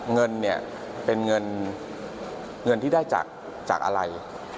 เงินเนี่ยเป็นเงินที่ได้จากอะไร